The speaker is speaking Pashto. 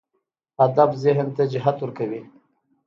هدف ذهن ته جهت ورکوي.